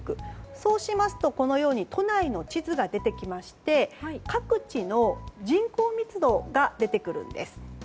そうしますと都内の地図が出てきまして各地の人口密度が出てくるんです。